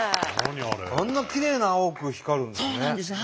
あんなきれいな青く光るんですね。